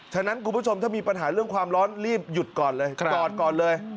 ฉะนั้นคุณผู้ชมถ้ามีปัญหาเรื่องความร้อนรีบหยุดก่อนเลยกอดก่อนเลย